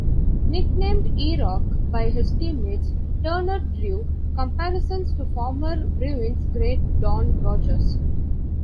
Nicknamed "E-Rock" by his teammates, Turner drew comparisons to former Bruins great Don Rogers.